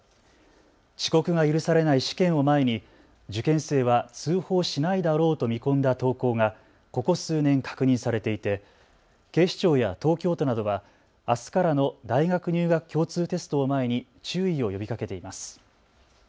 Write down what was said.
遅刻が許されない試験を前に受験生は通報しないだろうと見込んだ投稿がここ数年、確認されていて警視庁や東京都などはあすからの大学入学共通テストを前に注意を呼びかけています。